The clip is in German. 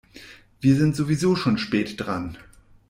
Wir sind sowieso schon spät dran.